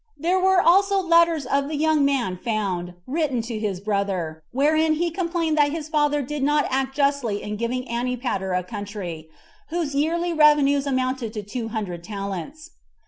There were also letters of the young man found, written to his brother, wherein he complained that his father did not act justly in giving Antipater a country, whose [yearly] revenues amounted to two hundred talents.